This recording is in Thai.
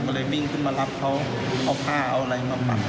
ก็เลยวิ่งขึ้นมารับเขาเอาผ้าเอาอะไรมาปัก